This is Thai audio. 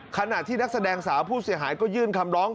ขณะที่นักแสดงสาวผู้เสียหายก็ยื่นคำร้อง